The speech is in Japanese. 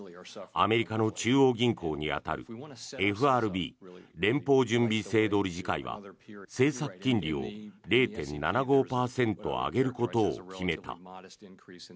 アメリカの中央銀行に当たるＦＲＢ・連邦準備制度理事会は政策金利を０．７５％上げることを決めた。